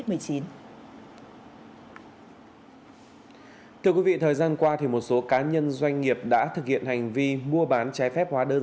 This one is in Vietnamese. thưa quý vị thời gian qua một số cá nhân doanh nghiệp đã thực hiện hành vi mua bán trái phép hóa đơn